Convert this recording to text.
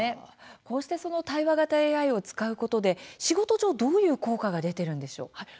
こうして対話型ＡＩを使うことで仕事上どういう効果が出ているんでしょうか。